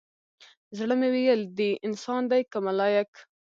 زړه مې ويل دى انسان دى كه ملايك؟